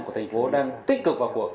của thành phố đang tích cực vào cuộc